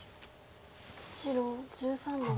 白１３の五。